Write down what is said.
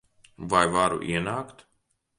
Vai varu ienākt?